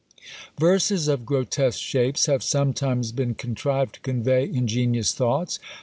Verses of grotesque shapes have sometimes been contrived to convey ingenious thoughts.